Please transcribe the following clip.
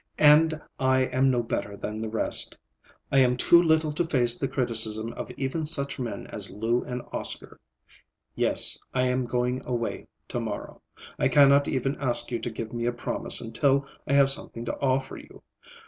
And I am no better than the rest. I am too little to face the criticism of even such men as Lou and Oscar. Yes, I am going away; to morrow. I cannot even ask you to give me a promise until I have something to offer you.